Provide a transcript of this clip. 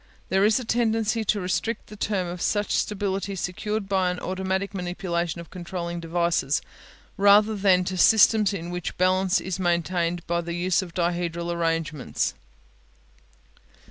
There is a tendency to restrict the term to such stability secured by automatic manipulation of controlling devices, rather than to systems in which balance is maintained by the use of dihedral arrangements.